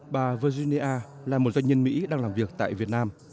bà virginia là một doanh nhân mỹ đang làm việc tại việt nam